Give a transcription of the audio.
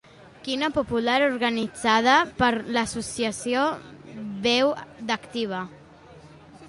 Quina popular organitzada per l'Associació Veu d'Activa.